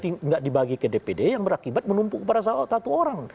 tidak dibagi ke dpd yang berakibat menumpuk pada satu orang